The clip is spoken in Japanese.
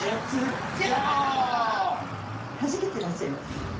はじけてらっしゃいます。